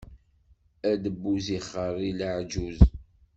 Adebbuz ixeṛṛi leɛǧuz.